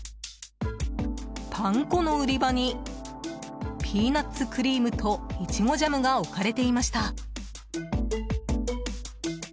パン粉の売り場にピーナツクリームとイチゴジャムが置かれていました。